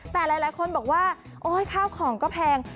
แต่หลายคนบอกว่าโอ๊ยข้าวของก็แพง